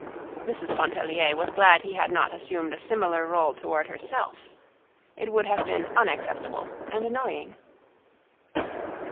Mrs. Pontellier was glad he had not assumed a similar role toward herself. It would have been unacceptable and annoying.